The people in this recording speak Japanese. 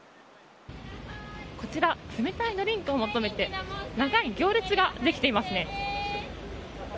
こちら冷たいドリンクを求めて長い行列ができていますね。